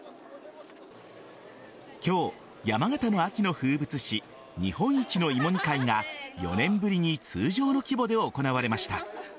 今日、山形の秋の風物詩日本一の芋煮会が４年ぶりに通常の規模で行われました。